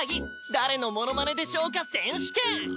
誰のモノマネでしょうか選手権！